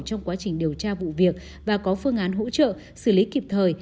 trong quá trình điều tra vụ việc và có phương án hỗ trợ xử lý kịp thời